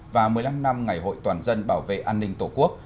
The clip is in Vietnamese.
và một mươi năm năm ngày hội toàn dân bảo vệ an ninh tổ quốc